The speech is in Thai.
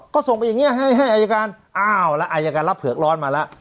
ก็ส่งไปอย่างนี้ให้อายการอ้าวแล้วอายการรับเผือกร้อนมาแล้ว